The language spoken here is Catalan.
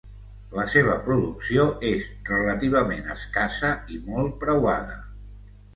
La seva producció és relativament escassa i molt preuada.